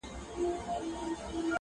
چي ته مه ژاړه پیسې مو دربخښلي!